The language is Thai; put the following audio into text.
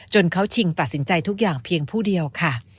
เขาชิงตัดสินใจทุกอย่างเพียงผู้เดียวค่ะ